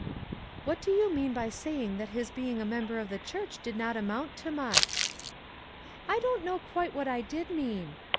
" What do you mean by saying that his being a member of the church did not amount to much?" "I don't know quite what I did mean.